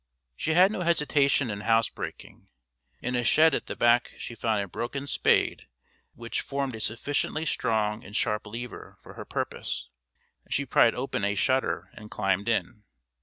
She had no hesitation in house breaking. In a shed at the back she found a broken spade which formed a sufficiently strong and sharp lever for her purpose. She pried open a shutter and climbed in.